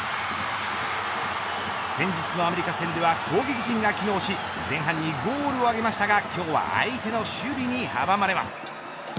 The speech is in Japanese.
先日のアメリカ戦では攻撃陣が機能し前半にゴールを挙げましたが今日は相手の守備に阻まれます。